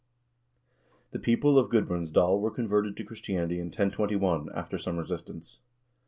The people of Gudbrandsdal were converted to Christianity in 1021, after some resistance.